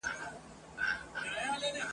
شمع مړه سوه جهاني محفل تمام سو !.